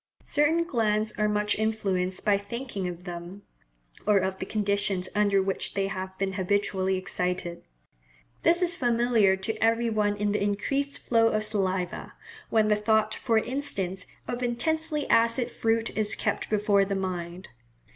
Certain glands are much influenced by thinking of them, or of the conditions under which they have been habitually excited. This is familiar to every one in the increased flow of saliva, when the thought, for instance, of intensely acid fruit is kept before the mind.